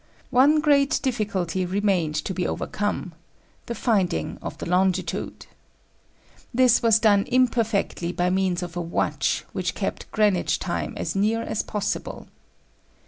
One great difficulty remained to be overcome the finding of the longitude. This was done imperfectly by means of a watch which kept Greenwich time as near as possible.